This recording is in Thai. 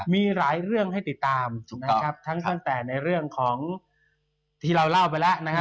มีหลายเรื่องให้ติดตามนะครับทั้งตั้งแต่ในเรื่องของที่เราเล่าไปแล้วนะครับ